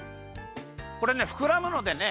これねふくらむのでね